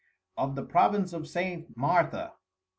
_Of the Province of St. _MARTHA.